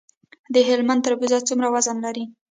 د هلمند تربوز څومره وزن لري؟